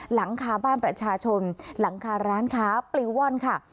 หลังคาบ้านประชาชนหลังคาร้านค้าปลิวว่อนค่ะ